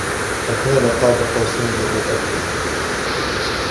فَكَانَ قَابَ قَوْسَيْنِ أَوْ أَدْنَى